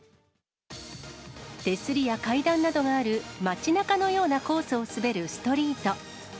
手すりや階段などがある街なかのようなコースを滑るストリート。